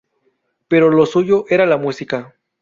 Pero lo suyo era la música.